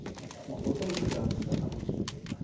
もう当然桜の姿も消えていた。